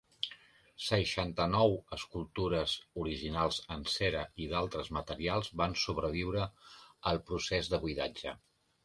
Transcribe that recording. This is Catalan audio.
Seixanta-nou escultures originals en cera i d'altres materials van sobreviure el procés de buidatge.